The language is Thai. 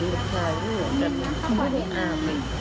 ก็บอกเขาไม่เจอเลย